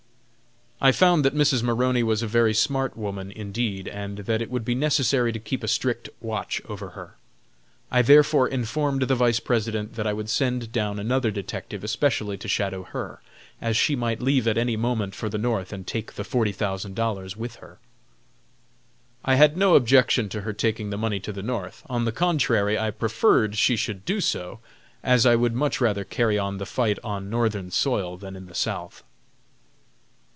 I found that Mrs. Maroney was a very smart woman, indeed, and that it would be necessary to keep a strict watch over her. I therefore informed the Vice President that I would send down another detective especially to shadow her, as she might leave at any moment for the North and take the forty thousand dollars with her. I had no objections to her taking the money to the North. On the contrary, I preferred she should do so, as I would much rather carry on the fight on Northern soil than in the South.